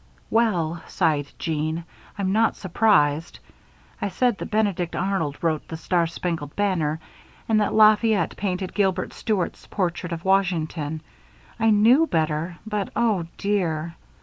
"Well," sighed Jeanne, "I'm not surprised. I said that Benedict Arnold wrote 'The Star Spangled Banner' and that Lafayette painted Gilbert Stuart's portrait of Washington. I knew better, but oh, dear!